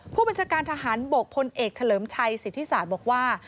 ผู้บัญชาการทหารบกพลเอกเฉลิมชัยสิทธิศาสตร์บอกว่า